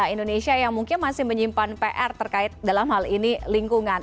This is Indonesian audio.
indonesia yang mungkin masih menyimpan pr terkait dalam hal ini lingkungan